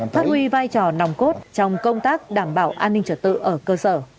phát huy vai trò nòng cốt trong công tác đảm bảo an ninh trật tự ở cơ sở